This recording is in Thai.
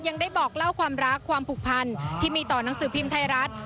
ยังได้บอกเล่าความรักความผูกพันที่มีต่อหนังสือพิมพ์ไทยรัฐ